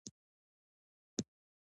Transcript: ایا واکسین درد راوړي؟